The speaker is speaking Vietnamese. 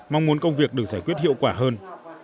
mong muốn công việc được giải quyết hiệu quả hơn